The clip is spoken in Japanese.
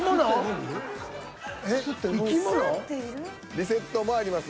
リセットもあります。